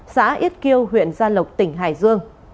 xã yết kiêu huyện gia lộc tỉnh hải dương